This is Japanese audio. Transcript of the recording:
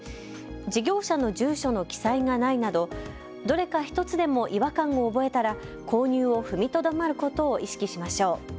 事業者の住所の記載がないなどどれか１つでも違和感を覚えたら購入を踏みとどまることを意識しましょう。